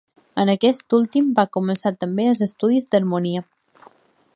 En aquest últim va començar també els estudis d'harmonia.